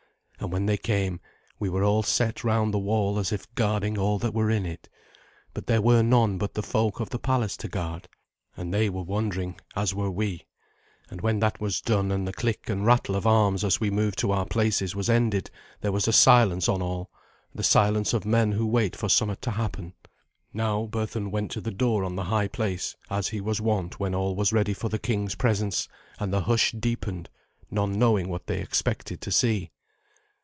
And when they came, we were all set round the wall as if guarding all that were in it. But there were none but the folk of the palace to guard, and they were wondering as were we; and when that was done, and the click and rattle of arms as we moved to our places was ended, there was a silence on all the silence of men who wait for somewhat to happen. Now Berthun went to the door on the high place, as he was wont when all was ready for the king's presence, and the hush deepened, none knowing what they expected to see.